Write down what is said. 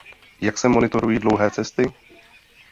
Jak se monitorují dlouhé cesty?